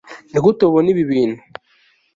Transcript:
Nigute ubona ibi bintu